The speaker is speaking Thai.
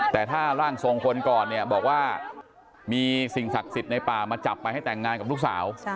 แต่ถ้าร่างทรงคนก่อนเนี่ยบอกว่ามีสิ่งศักดิ์สิทธิ์ในป่ามาจับไปให้แต่งงานกับลูกสาว